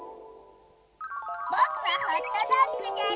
ぼくはホットドッグじゃり。